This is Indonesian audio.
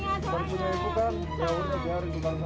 orang yang satu satunya itu pak bukan punya saya